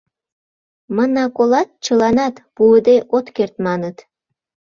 Мына, колат, чыланат «пуыде от керт» маныт.